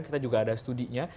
kita juga ada studinya